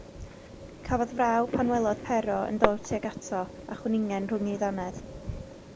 Cafodd fraw pan welodd Pero yn dod tuag ato a chwningen rhwng ei ddannedd.